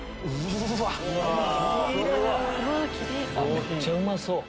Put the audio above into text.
めっちゃうまそう。